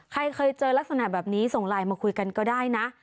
ใครเคยเจอลักษณะแบบนี้ส่งไลน์มาคุยกันก็ได้นะ